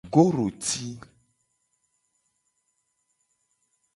Goroti.